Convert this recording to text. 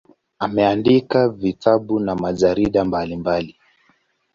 Ameandika vitabu na majarida mbalimbali.